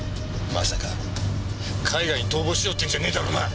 まさか海外に逃亡しようっていうんじゃねえだろうな！？